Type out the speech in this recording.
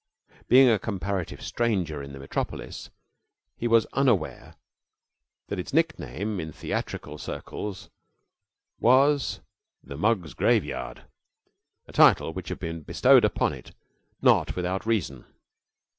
Being a comparative stranger in the metropolis, he was unaware that its nickname in theatrical circles was "The Mugs' Graveyard" a title which had been bestowed upon it not without reason.